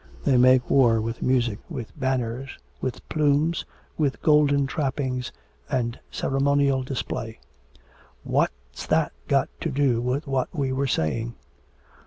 They make war with music, with banners, with plumes, with golden trappings, and ceremonial display.' 'What's that got to do with what we were saying?'